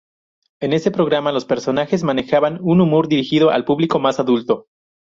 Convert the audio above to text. En ese programa, los personajes manejaban un humor dirigido a un público más adulto.